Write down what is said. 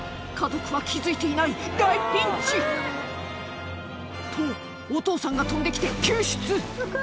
家族は気付いていない大ピンチとお父さんが飛んで来て救出